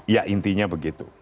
ya intinya begitu